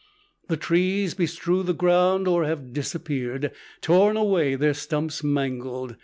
The trees bestrew the ground or have disappeared, torn away, their stumps mangled.